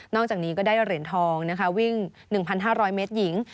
จากนี้ก็ได้เหรียญทองวิ่ง๑๕๐๐เมตรหญิง